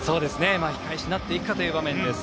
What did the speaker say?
巻き返しなっていくかという場面です。